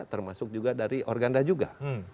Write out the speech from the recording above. termasuk juga dari organda juga